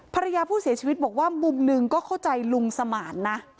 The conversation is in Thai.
ภรรยาผู้เสียชีวิตบอกว่ามุมหนึ่งก็เข้าใจลุงสมานนะ